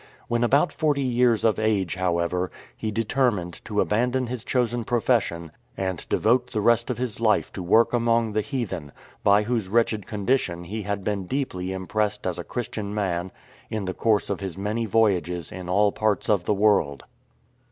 When about forty years of age, however, he determined to abandon his chosen profession and devote the rest of his life to work among the heathen, by whose wretched condition he had been deeply impressed as a Christian man in the course of his many voyages in all parts of the world.